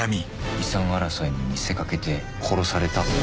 「遺産争いに見せ掛けて殺された」